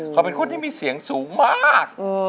เขาเป็นคนที่มีเสียงสูงมาก